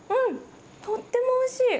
とってもおいしい。